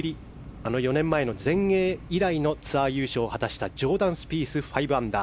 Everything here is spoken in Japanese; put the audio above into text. あの４年前の全英以来のツアー優勝を果たしたジョーダン・スピース５アンダー。